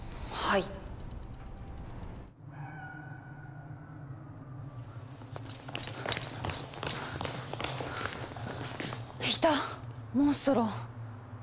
いたモンストロ！